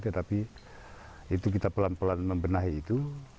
tetapi itu kita pelan pelan membenahi itu